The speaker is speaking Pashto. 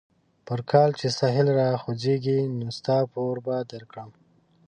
پر کال چې سهيل را وخېژي؛ نو ستا پور به در کړم.